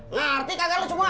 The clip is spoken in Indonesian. ngerti kagak lo semua